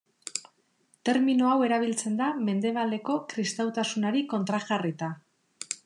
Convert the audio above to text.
Termino hau erabiltzen da Mendebaleko Kristautasunari kontrajarrita.